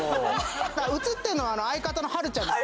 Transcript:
写ってんのは相方のはるちゃんです